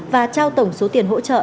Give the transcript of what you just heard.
và trao tổng số tiền hỗ trợ